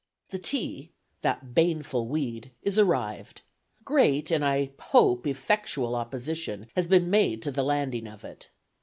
"The tea, that baneful weed, is arrived. Great and, I hope, effectual opposition has been made to the landing of it.